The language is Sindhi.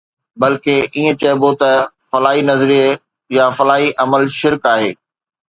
بلڪ ائين چئبو ته فلاڻي نظريي يا فلاڻي عمل شرڪ آهي.